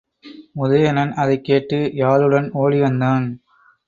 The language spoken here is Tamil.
உதயணன் அதைக் கேட்டு யாழுடன் ஒடிவந்தான்.